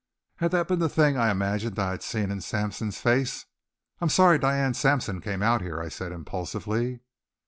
Had that been the thing I imagined I had seen in Sampson's face? "I'm sorry Diane Sampson came out here," I said impulsively.